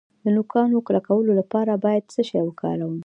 د نوکانو کلکولو لپاره باید څه شی وکاروم؟